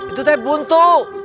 itu teh buntu